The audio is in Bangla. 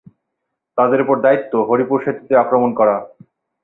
তাদের ওপর দায়িত্ব হরিপুর সেতুতে আক্রমণ করা।